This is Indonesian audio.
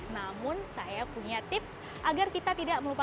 namun saya punya tips agar kita tidak melupakan